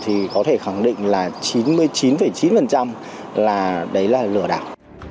thì có thể khẳng định là chín mươi chín chín là đấy là lửa đảo